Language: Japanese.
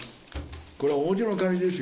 これは表の金ですよ。